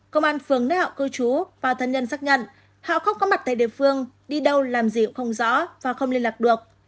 công an phường nơi họ cư trú và thân nhân xác nhận họ không có mặt tại địa phương đi đâu làm gì cũng không rõ và không liên lạc được